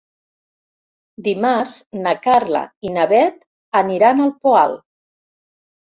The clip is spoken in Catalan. Dimarts na Carla i na Bet aniran al Poal.